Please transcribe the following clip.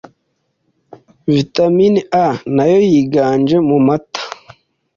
Vitamin A nayo yiganje mumata